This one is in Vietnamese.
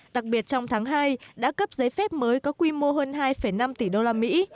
đặc biệt trong tháng hai đã cấp giấy phép mới có quy mô hơn hai năm tỷ đô la mỹ